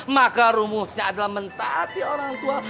maka rumusnya adalah mentah hati orang tua